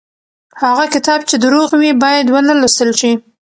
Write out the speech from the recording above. هغه کتاب چې دروغ وي بايد ونه لوستل شي.